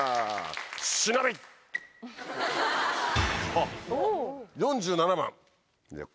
あっ４７番。